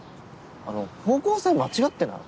あの方向性間違ってない？